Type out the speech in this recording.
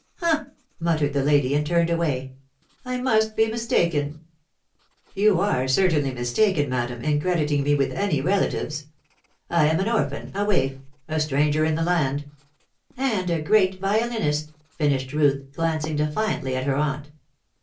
"Humph!" muttered the lady, and turned away. "I must be mistaken." "You are certainly mistaken, madam, in crediting me with any relatives. I am an orphan, a waif, a stranger in the land " "And a great violinist," finished Ruth, glancing defiantly at her aunt.